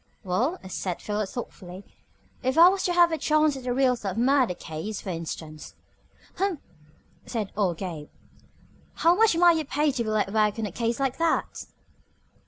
"Well," said Philo thoughtfully, "if I was to have a chance at a real tough murder case, for instance." "Humph!" said old Gabe. "How much might you pay to be let work on a case like that?"